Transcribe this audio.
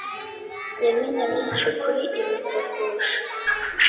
Njya menya byinshi kuri ibi kukurusha.